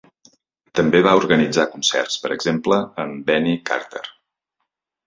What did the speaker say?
També va organitzar concerts, per exemple amb Benny Carter.